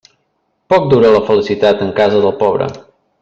Poc dura la felicitat en casa del pobre.